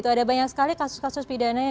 ada banyak sekali kasus kasus pidana yang